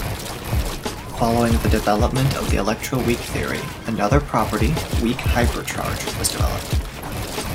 Following the development of the electroweak theory, another property, weak hypercharge, was developed.